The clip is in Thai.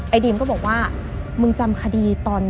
ดีมก็บอกว่ามึงจำคดีตอน